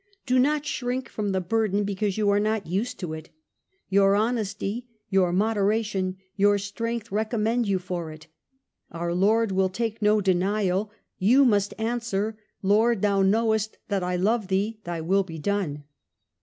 Do not shrink from the burden because you are not used to it ; your honesty, your moderation, your strength recommend you for it ; our Lord will take no denial ; you must answer, ' Lord, thou knowest that I love thee. Thy will be done.'